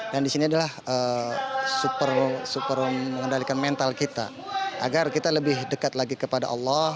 dan di sini adalah super mengendalikan mental kita agar kita lebih dekat lagi kepada allah